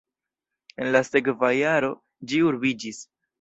En la sekva jaro ĝi urbiĝis.